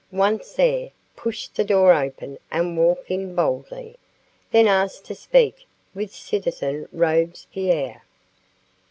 Once there, push the door open and walk in boldly. Then ask to speak with citizen Robespierre."